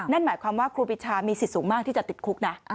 นั่นหมายความว่าครูปีชามีสิทธิ์สูงมากที่จะติดคุกนะ